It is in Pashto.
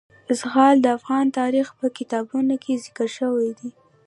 زغال د افغان تاریخ په کتابونو کې ذکر شوی دي.